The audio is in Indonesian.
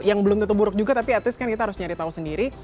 yang belum tentu buruk juga tapi at is kan kita harus nyari tahu sendiri